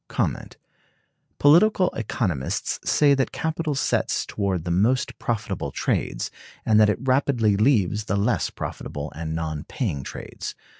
"Political economists say that capital sets toward the most profitable trades, and that it rapidly leaves the less profitable and non paying trades.